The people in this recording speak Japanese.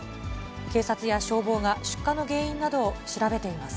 警察や消防が出火の原因などを調べています。